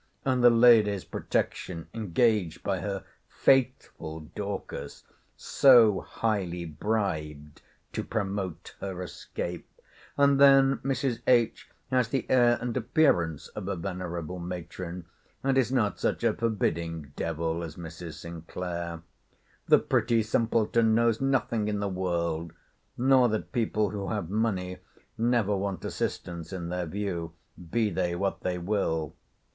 and the lady's protection engaged by her faithful Dorcas, so highly bribed to promote her escape?—And then Mrs. H. has the air and appearance of a venerable matron, and is not such a forbidding devil as Mrs. Sinclair. The pretty simpleton knows nothing in the world; nor that people who have money never want assistants in their views, be they what they will.